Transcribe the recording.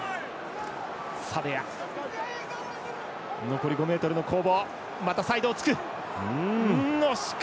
残り５ｍの攻防。